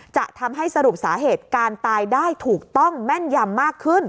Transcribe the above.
จะทำให้สรุปสาเหตุการตายได้ถูกต้องแม่นยำมากขึ้น